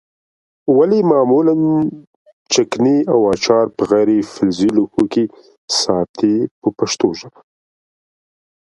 ولې معمولا چکني او اچار په غیر فلزي لوښو کې ساتي په پښتو ژبه.